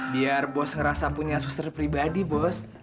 biar bos ngerasa punya suster pribadi bos